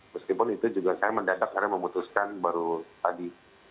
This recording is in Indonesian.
meskipun itu juga saya mendadak karena memutuskan baru tadi